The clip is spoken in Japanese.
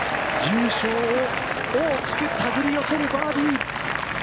優勝を大きく手繰り寄せるバーディー。